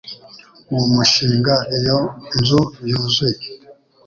uwo mushinga Iyo nzu yuzuye